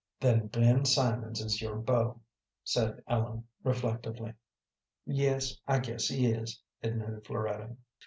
"Then Ben Simonds is your beau," said Ellen, reflectively. "Yes, I guess he is," admitted Floretta.